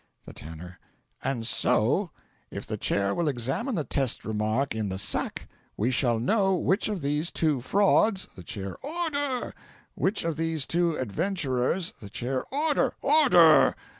The Tanner. "And so, if the Chair will examine the test remark in the sack, we shall know which of these two frauds (The Chair. "Order!") which of these two adventurers (The Chair. "Order! order!")